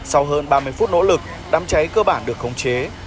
sau hơn ba mươi phút nỗ lực đám cháy cơ bản được khống chế